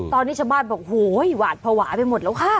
ตอนนี้ชาวบ้านบอกโหยหวาดภาวะไปหมดแล้วค่ะ